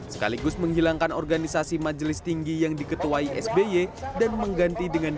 sekaligus menghilangkan organisasi majelis tinggi yang diketuai sby dan mengganti dengan